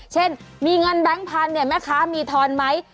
เช่นมีเงินแบงค์พันธุ์แม่ค้ามีทอนไหม